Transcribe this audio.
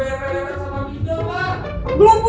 belum punya uang mas